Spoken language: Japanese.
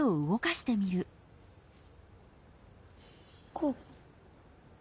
こう？